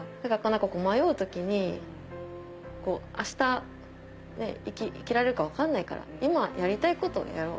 迷う時にあした生きられるか分かんないから今やりたいことをやろう。